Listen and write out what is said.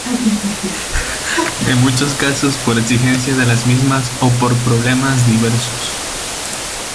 En muchos casos, por exigencia de las mismas o por problemas diversos.